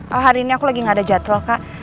oh hari ini aku lagi nggak ada jadwal kak